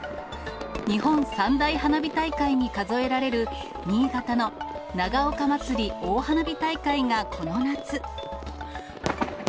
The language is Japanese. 日本三大花火大会に数えられる新潟の長岡まつり大花火大会がこの夏。